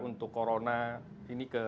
untuk corona ini ke